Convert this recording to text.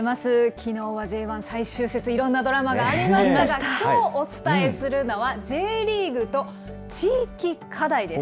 きのうはＪ１最終節、いろんなドラマがありましたが、きょうお伝えするのは、Ｊリーグと地域課題です。